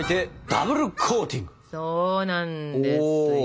そうなんですよ。